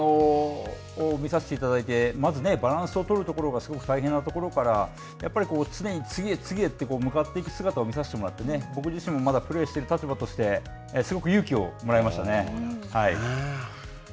見させていただいて、まずバランスを取るところがすごく大変なところから、やっぱり常に次へ次へと向かっていく姿を見させてもらって、僕自身、まだプレーしている立場としてすごく勇気をもらいましたね。